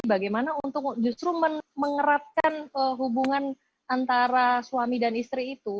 bagaimana untuk justru mengeratkan hubungan antara suami dan istri itu